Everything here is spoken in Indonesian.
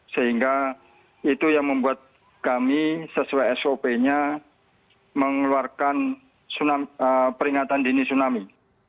sehingga itu yang membuat kami sesuai sop nya mengeluarkan peringatan dini tsunami